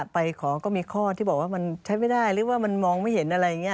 ไปขอก็มีข้อที่บอกว่ามันใช้ไม่ได้หรือว่ามันมองไม่เห็นอะไรอย่างนี้